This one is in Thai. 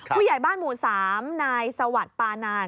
ผู้ใหญ่บ้านหมู่๓นายสวัสดิ์ปานาน